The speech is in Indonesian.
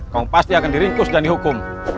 kaung pasti akan diringkus dan dihukum